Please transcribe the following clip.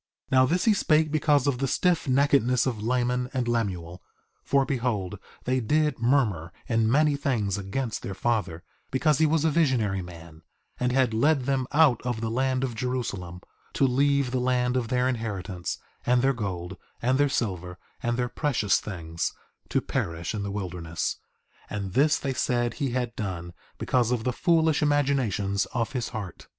2:11 Now this he spake because of the stiffneckedness of Laman and Lemuel; for behold they did murmur in many things against their father, because he was a visionary man, and had led them out of the land of Jerusalem, to leave the land of their inheritance, and their gold, and their silver, and their precious things, to perish in the wilderness. And this they said he had done because of the foolish imaginations of his heart.